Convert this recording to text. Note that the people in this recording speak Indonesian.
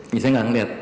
misalnya gak ngeliat